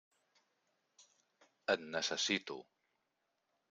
Et necessito.